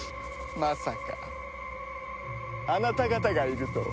まさかあなた方がいるとは。